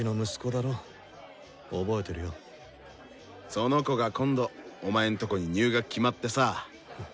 その子が今度お前んとこに入学決まってさ。